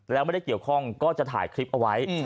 แล้วไม่ได้เกี่ยวข้องก็จะถ่ายคลิปเอาไว้